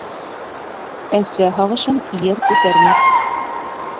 Әсә һағышын ер күтәрмәҫ.